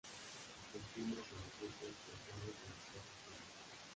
El clima es semiseco, templado, con escasas lluvias.